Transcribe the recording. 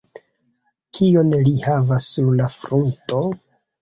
Kion li havas sur la frunto?